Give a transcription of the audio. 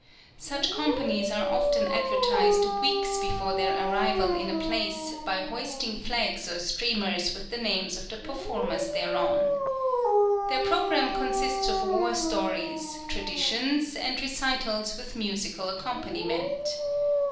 Such companies are often advertised weeks before their arrival in a place by hoisting flags or streamers with the names of the performers thereon. Their programme consists of war stories, traditions, and recitals with musical accompaniment.